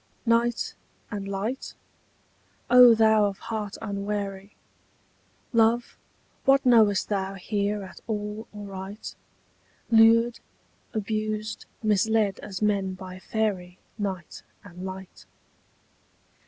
Night and light? O thou of heart unwary, Love, what knowest thou here at all aright, Lured, abused, misled as men by fairy Night and light?